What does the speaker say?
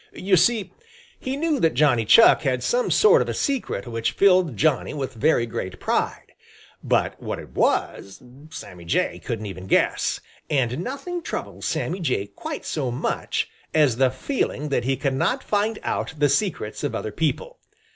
You see, he knew that Johnny Chuck had some sort of a secret which filled Johnny with very great pride; but what it was Sammy Jay couldn't even guess, and nothing troubles Sammy Jay quite so much as the feeling that he cannot find out the secrets of other people.